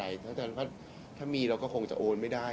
ถ้ามีเราก็คงจะโอนไม่ได้มันต้องมีปัญหามาก่อนที่จะมาถึงเราแล้ว